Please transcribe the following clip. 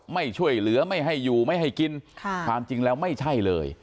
ไม่ช่วยเหลือไม่ให้อยู่ไม่ให้กินค่ะความจริงแล้วไม่ใช่เลย